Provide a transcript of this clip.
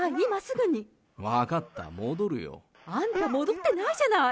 分かった、戻るよ。あんた、戻ってないじゃない！